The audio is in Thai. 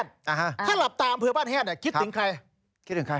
ถ้าหลับตาอำเภอบ้านแฮดคิดถึงใคร